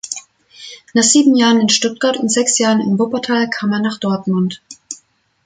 Nach sieben Jahren in Stuttgart und sechs Jahren in Wuppertal kam er nach Dortmund.